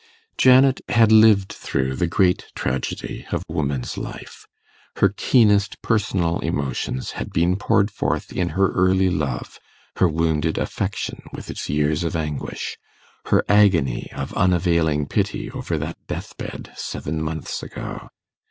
Janet had lived through the great tragedy of woman's life. Her keenest personal emotions had been poured forth in her early love her wounded affection with its years of anguish her agony of unavailing pity over that deathbed seven months ago.